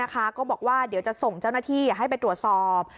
ก็บอกว่าเดี๋ยวจะส่งเจ้าหน้าที่ให้ไปตรวจสอบ